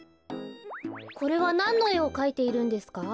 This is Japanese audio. これはなんのえをかいているんですか？